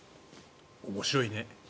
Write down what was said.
面白いね。